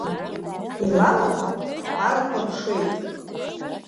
Илалаган рԥарақәа ршеит.